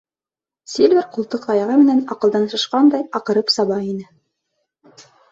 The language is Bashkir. Сильвер ҡултыҡ таяғы менән аҡылдан шашҡандай аҡырып саба ине.